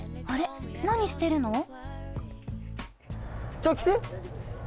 あれっ、何してるの？